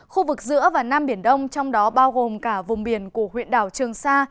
khu vực giữa và nam biển đông trong đó bao gồm cả vùng biển của huyện đảo trường sa